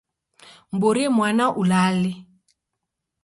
Mborie mwana ulale.